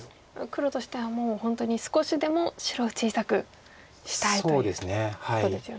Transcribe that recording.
黒としてはもう本当に少しでも白を小さくしたいということですよね。